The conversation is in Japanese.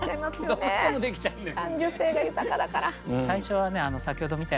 どうしてもできちゃうんですよ。